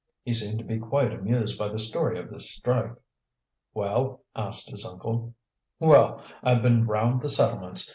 He seemed to be quite amused by the story of this strike. "Well?" asked his uncle. "Well, I've been round the settlements.